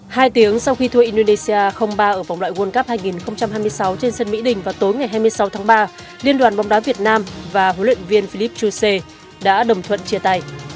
hai tiếng sau khi thua indonesia ba ở vòng loại world cup hai nghìn hai mươi sáu trên sân mỹ đình vào tối ngày hai mươi sáu tháng ba liên đoàn bóng đá việt nam và huấn luyện viên philipp chuse đã đồng thuận chia tay